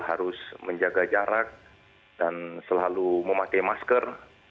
harus menjaga jarak dan selalu memakai masker